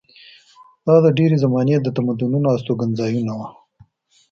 دا د ډبرې زمانې د تمدنونو استوګنځایونه وو.